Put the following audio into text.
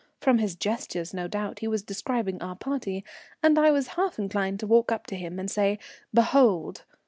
From his gestures, no doubt, he was describing our party, and I was half inclined to walk up to him and say "Behold!"